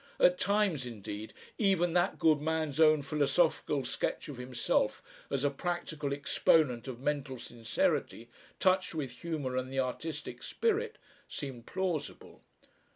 At times indeed even that good man's own philosophical sketch of himself as a practical exponent of mental sincerity touched with humour and the artistic spirit, seemed plausible.